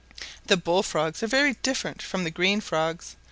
The bull frogs are very different from the green frogs.